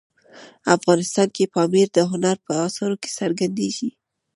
افغانستان کې پامیر د هنر په اثارو کې څرګندېږي.